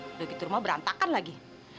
udah gitu rumah berantakan lagi